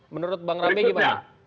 menurut bang rambi gimana